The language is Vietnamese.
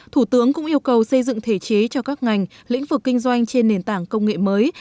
thủ tướng cũng yêu cầu xây dựng thể chế cho các ngành lĩnh vực kinh doanh trên nền tảng công nghệ mới